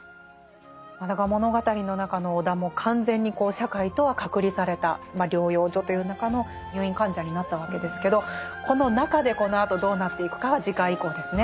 だから物語の中の尾田も完全に社会とは隔離された療養所という中の入院患者になったわけですけどこの中でこのあとどうなっていくかは次回以降ですね。